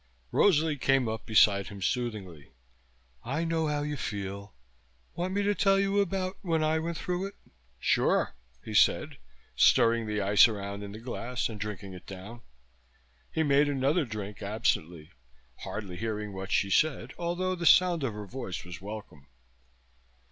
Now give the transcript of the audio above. Rosalie came up beside him soothingly. "I know how you feel. Want me to tell you about when I went through it?" "Sure," he said, stirring the ice around in the glass and drinking it down. He made another drink absently, hardly hearing what she said, although the sound of her voice was welcome.